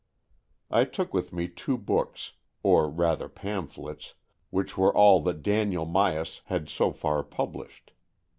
I took with me two books, or rather pamphlets, which were all that Daniel Myas had so far published.